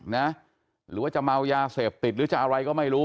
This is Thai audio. หรือว่าจะเมายาเสพติดหรือจะอะไรก็ไม่รู้